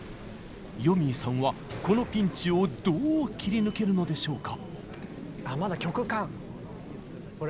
よみぃさんはこのピンチをどう切り抜けるのでしょうか。